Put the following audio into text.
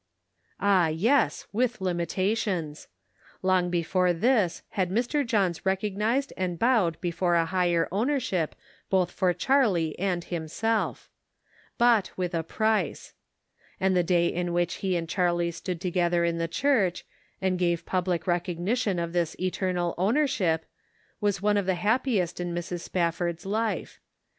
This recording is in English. Ah, yes, with limitations. Long before this had Mr. Johns recognized and bowed before a higher ownership both for Charlie and himself. " G ood Measure" 501 " Bought with a price." And the day in which he and Charlie stood together in the church, and gave public recognition of this eternal owner ship was one of the happiest in Mrs. Spafford's life.